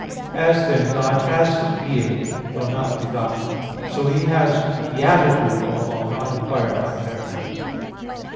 As, then, God has being, though not begotten; so He has beatitude, although not acquired by merit.